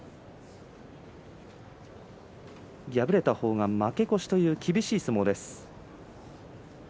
敗れた方が負け越しという相撲です。